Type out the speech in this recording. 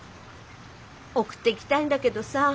送っていきたいんだけどさ。